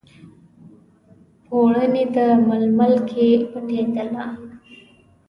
پوړني، د ململ کې پټیدله